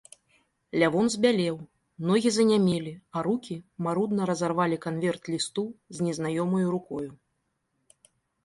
Лявон збялеў, ногі занямелі, а рукі марудна разарвалі канверт лісту з незнаёмаю рукою.